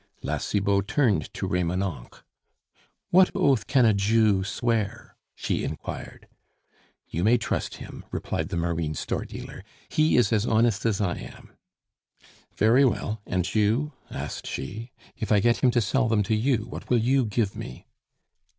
La Cibot turned to Remonencq. "What oath can a Jew swear?" she inquired. "You may trust him," replied the marine store dealer. "He is as honest as I am." "Very well; and you?" asked she, "if I get him to sell them to you, what will you give me?"